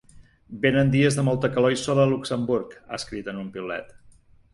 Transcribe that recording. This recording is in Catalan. Venen dies de molta calor i sol a Luxemburg, ha escrit en un piulet.